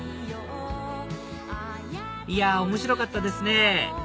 いや面白かったですね